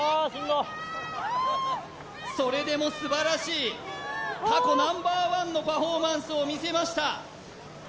それでも素晴らしい過去ナンバーワンのパフォーマンスを見せました